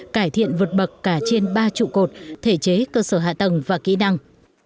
cải thiện vượt bậc cả trên ba trụ cột thể chế cơ sở hạ tầng và kỹ năng